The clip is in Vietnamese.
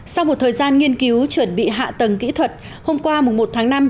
sau một thời gian nghiên cứu chuẩn bị hạ tầng kỹ thuật hôm qua một tháng năm